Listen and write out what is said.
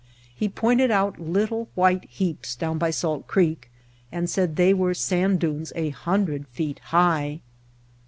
He pointed out little, white heaps down by Salt Creek and said they were sand dunes a hundred feet high.